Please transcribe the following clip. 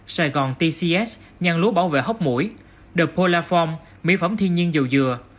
sài gòn tcs nhăn lúa bảo vệ hốc mũi the polar form mỹ phẩm thiên nhiên dầu dừa